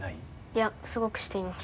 いやすごくしています。